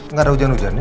nggak ada hujan hujannya